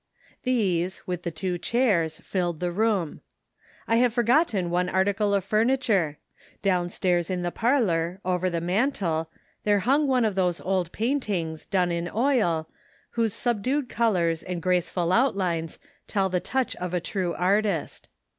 These, with the two chairs, filled the room. I have forgotten one article of furniture ; down stairs in the parlor, over the mantel, there hung one of those old paintings, done in oil, whose sub dued colors and graceful outlines tell the touch of the true artist.